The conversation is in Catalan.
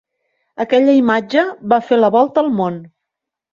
Aquella imatge va fer la volta al món.